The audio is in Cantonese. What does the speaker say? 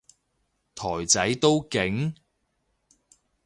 台仔都勁？